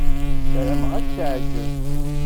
Ssarameɣ ad k-teɛjeb.